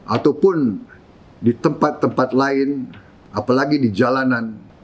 ataupun di tempat tempat lain apalagi di jalanan